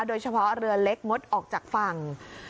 โดยเฉพาะเรือเล็กงดออกจากฝั่ง